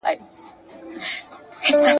د دوی ادارې څو تنو ته !.